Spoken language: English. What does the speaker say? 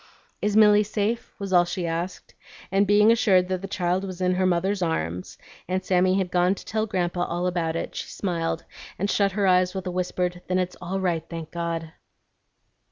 "Is Milly safe?" was all she asked, and being assured that the child was in her mother's arms, and Sammy had gone to tell Grandpa all about it, she smiled and shut her eyes with a whispered, "Then it's all right, thank God!"